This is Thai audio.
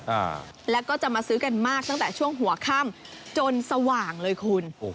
อ่าแล้วก็จะมาซื้อกันมากตั้งแต่ช่วงหัวค่ำจนสว่างเลยคุณโอ้โห